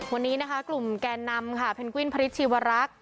วันนี้นะคะกลุ่มแกนนำค่ะเพนกวินพริษชีวรักษ์